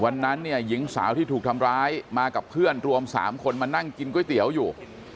วันนั้นเนี่ยหญิงสาวที่ถูกทำร้ายมากับเพื่อนรวม๓คนมานั่งกินก๋วยเตี๋ยวอยู่